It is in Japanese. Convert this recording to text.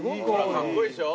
かっこいいでしょ？